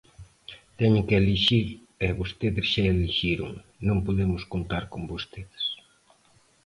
Teñen que elixir e vostedes xa elixiron, non podemos contar con vostedes.